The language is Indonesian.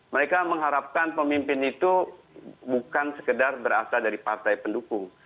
mereka mengharapkan pemimpin itu bukan sekedar berasal dari partai pendukung